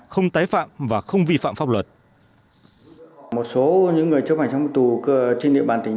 không tái phạm và không vi phạm pháp luật